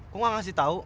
kok nggak ngasih tau